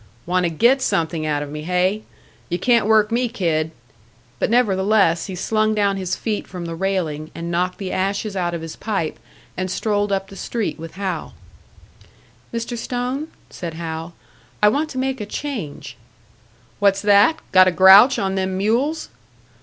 "Want to get something out of me, hey? You can't work me, kid!" But nevertheless he slung down his feet from the railing, and knocked the ashes out of his pipe and strolled up the street with Hal. "Mr. Stone," said Hal, "I want to make a change." "What's that? Got a grouch on them mules?"